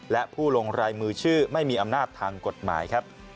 และผู้ลงรายมือชื่อไม่มีอำนาจทางกฎหมายครับ